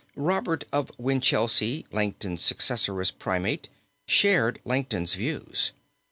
"Robert of Winchelsea, Langton's successor as primate, shared Langton's views.